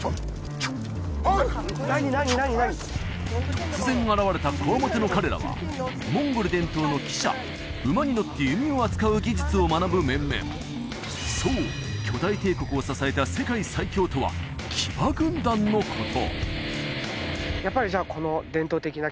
突然現れた強面の彼らはモンゴル伝統の騎射馬に乗って弓を扱う技術を学ぶ面々そう巨大帝国を支えた世界最強とは騎馬軍団のこと！